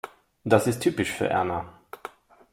Das ist typisch für Erna.